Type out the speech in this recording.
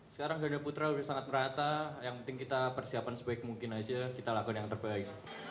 sekarang ganda putra sudah sangat merata yang penting kita persiapan sebaik mungkin aja kita lakukan yang terbaik